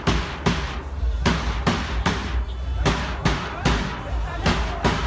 มันอาจจะไม่เอาเห็น